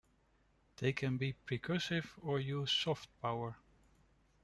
They can be percussive or use "soft" power.